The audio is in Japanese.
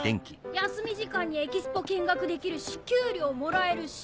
休み時間にエキスポ見学できるし給料もらえるし。